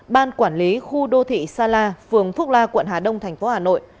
ban quản lý khu đô thị sa la phường phúc la quận hà đông tp hà nội